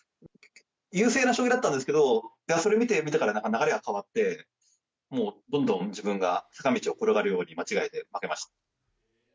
優勢な将棋だったんですけど、それを見てから流れが変わって、もう、どんどん自分が坂道を転がるように間違えて負けました。